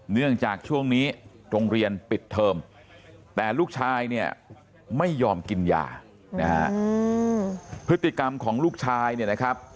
เนื่องจากช่วงนี้โรงเรียนปิดเทอมแต่ลูกชายเนี่ยไม่ยอมกินยานะฮะพฤติกรรมของลูกชายเนี่ยนะครับ